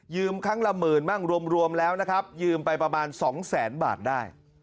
ครั้งละหมื่นบ้างรวมแล้วนะครับยืมไปประมาณสองแสนบาทได้